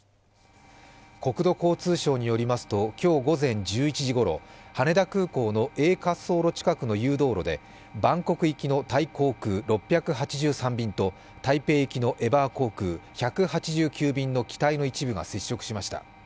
国土交通省によりますと今日午前１１時ごろ羽田空港のＡ滑走路近くの誘導路でバンコク行きのタイ航空６８３便と台北行きのエバー航空１８９便の機体の一部が接触しました。